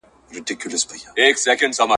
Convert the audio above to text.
ژوندون نوم د حرکت دی هره ورځ چي سبا کیږي ,